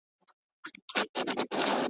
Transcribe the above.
د ربابونو دور به بیا سي .